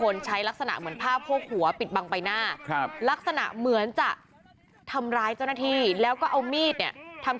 ลักษณะเหมือนจะทำร้ายเจ้าหน้าที่แล้วก็เอามีดเนี่ย